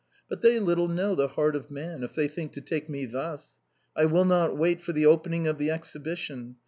But they little know the heart of man, if they think to take me thus. I will not wait for the opening of the Exhibition.